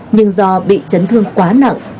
nhưng do bị chấn thương quá nặng